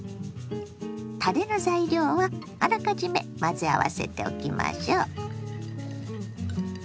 たれの材料はあらかじめ混ぜ合わせておきましょ。